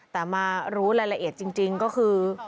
แต่มารู้รายละเอียดจริงก็คือ